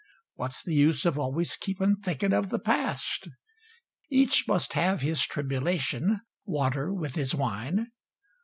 What's the use of always keepin' Thinkin' of the past? Each must have his tribulation, Water with his wine.